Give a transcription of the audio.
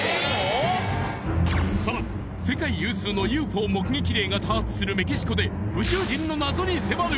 さらに世界有数のＵＦＯ目撃例が多発するメキシコで宇宙人の謎に迫る！